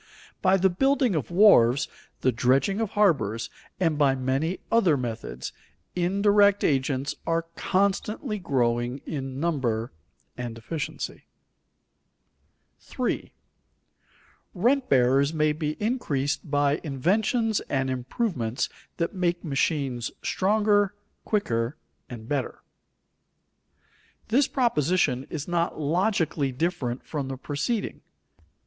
By the building of wharves, the dredging of harbors, and by many other methods, indirect agents are constantly growing in number and efficiency. [Sidenote: Machinery is an adaptation of natural resources] 3. Rent bearers may be increased by inventions and improvements that make machines stronger, quicker, and better. This proposition is not logically different from the preceding.